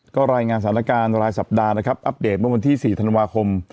ก็รายงานสถานการณ์รายสัปดาห์นะครับอัปเดตเมื่อวันที่๔ธันวาคม